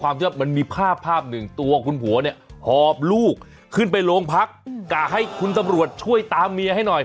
มันมีภาพภาพหนึ่งตัวคุณผัวเนี่ยหอบลูกขึ้นไปโรงพักกะให้คุณตำรวจช่วยตามเมียให้หน่อย